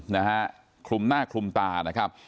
นะฮะคลุมหน้าคลุมตานะครับ